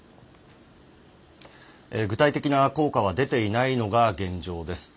具体的な効果は出ていないのが現状です。